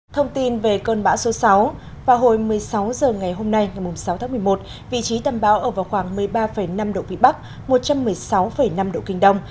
thông tin về cơn bão số sáu vào hồi một mươi sáu h ngày hôm nay ngày sáu tháng một mươi một vị trí tâm bão ở vào khoảng một mươi ba năm độ vĩ bắc một trăm một mươi sáu năm độ kinh đông